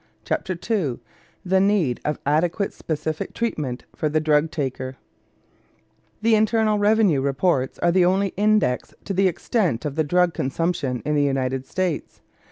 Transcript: CHAPTER II THE NEED OF ADEQUATE SPECIFIC TREATMENT FOR THE DRUG TAKER The Internal Revenue Reports are the only index to the extent of the drug consumption in the United States.